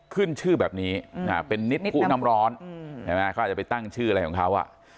ขึ้นชื่อแบบนี้เป็นนิดผู้น้ำร้อนใช่ไหมเขาอาจจะไปตั้งชื่ออะไรของเขา